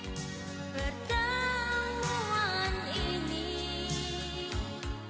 mengapa terjadi pertemuan ini